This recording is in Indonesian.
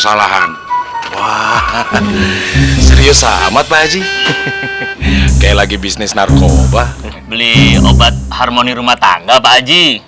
salahkan serius sama pak haji kayak lagi bisnis narkoba beli obat harmoni rumah tangga pak haji